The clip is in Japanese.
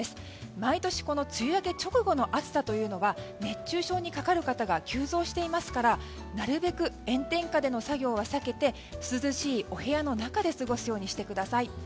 毎年、梅雨明け直後の暑さというのは熱中症にかかる方が急増していますからなるべく炎天下での作業は避けて涼しいお部屋の中で過ごすようにしてください。